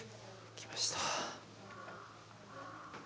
来ましたね。